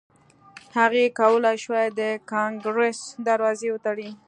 هغه کولای شوای د کانګریس دروازې وتړي.